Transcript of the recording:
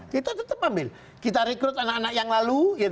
kita tetap ambil kita rekrut anak anak yang lalu